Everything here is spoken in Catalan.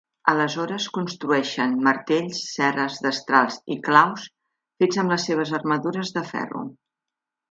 Aleshores construeixen martells, serres, destrals i claus fets amb les seves armadures de ferro.